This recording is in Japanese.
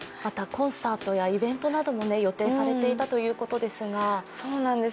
コンサートやイベントなども予定されていたということですが。